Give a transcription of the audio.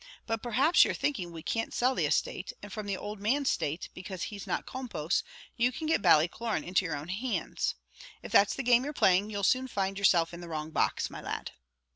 But perhaps you're thinking we can't sell the estate; and from the old man's state, because he's not compos, you can get Ballycloran into your own hands. If that's the game you're playing, you'll soon find yourself in the wrong box, my lad."